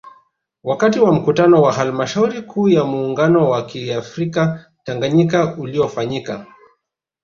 Wakati wa Mkutano wa Halmashauri Kuu ya muungano wa kiafrika Tanganyika uliofanyika